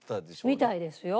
みたいですよ。